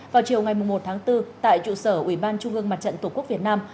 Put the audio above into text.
vào chiều ngày một tháng bốn tại trụ sở ủy ban trung ương mặt trận tổ quốc việt nam